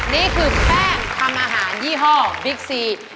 นี่คือแป้งทำอาหารยี่ห้อบิ๊กซี